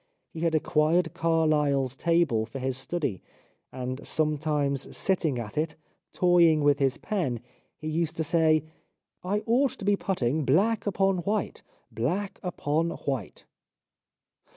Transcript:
He had acquired Carlyle's table for his study, and sometimes sitting at it, toying with his pen, he used to say : "I ought to be putting black upon white, black upon white."